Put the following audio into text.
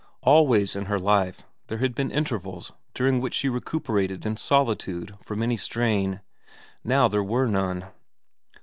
Always in her life there had been intervals during which she recuperated in solitude from any strain ; now there were none.